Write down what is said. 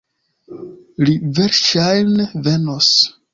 Li verŝajne venos.